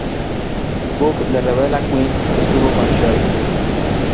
Puck le revela a Quinn que estuvo con Shelby.